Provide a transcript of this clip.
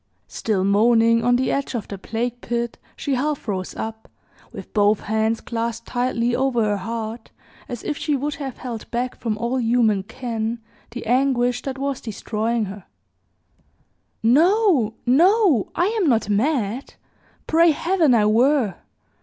Still moaning on the edge of the plague pit, she half rose up, with both hands clasped tightly over her heart, as if she would have held back from all human ken the anguish that was destroying her, "NO no! I am not mad pray Heaven I were!